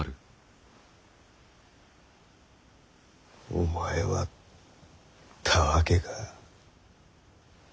お前はたわけか？